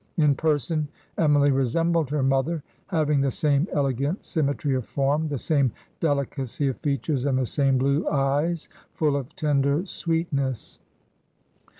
... In per son Emily resembled her mother, having the same ele gant symmetry of form, the same delicacy of features, and the same blue eyes, full of tender sweetness.